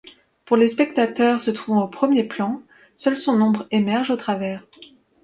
Pour les spectateurs se trouvant au premier plan, seule son ombre émerge au travers.